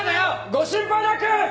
・ご心配なく！